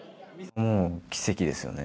もう奇跡ですよね。